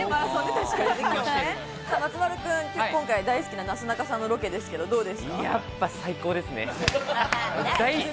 松丸君、今回、大好きな、なすなかさんのロケですけれども、どうですか？